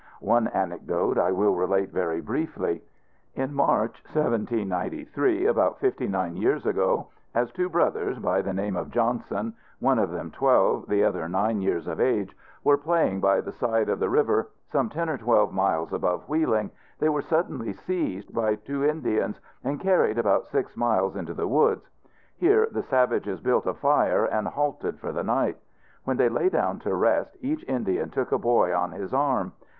One anecdote I will relate very briefly. In March, 1793, about fifty nine years ago, as two brothers by the name of Johnson, one of them twelve, the other nine years of age, were playing by the side of the river some ten or twelve miles above Wheeling, they were suddenly seized by two Indians and carried about six miles into the woods. Here the savages built a fire and halted for the night. When they lay down to rest, each Indian took a boy on his arm.